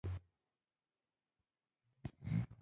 هېواد د عزت نښه ده